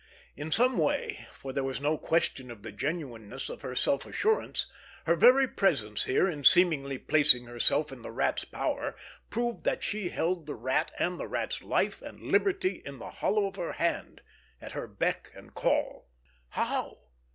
In some way, for there was no question of the genuineness of her self assurance, her very presence here in seemingly placing herself in the Rat's power proved that she held the Rat, and the Rat's life and liberty in the hollow of her hand, at her beck and call. How?